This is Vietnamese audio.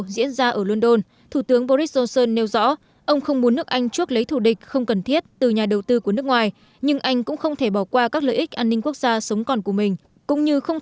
diễn ra ở london thủ tướng boris johnson nêu rõ ông không muốn nước anh